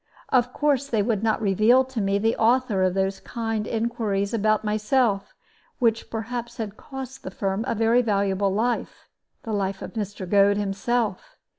Of course they would not reveal to me the author of those kind inquiries about myself, which perhaps had cost the firm a very valuable life, the life of Mr. Goad himself.